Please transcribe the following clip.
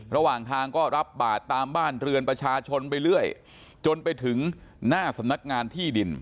ระหว่างทางก็รับบาทตามบ้านเรือนประชาชนไปเรื่อยจนไปถึงหน้าสำนักงานที่ดิน